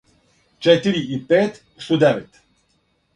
четири и пет су девет